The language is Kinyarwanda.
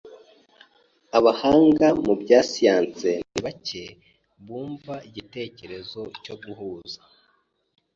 Abahanga mu bya siyansi ni bake bumva igitekerezo cyo guhuza.